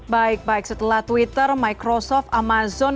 baik baik setelah twitter microsoft amazon